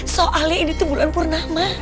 soalnya ini tuh bulan purnama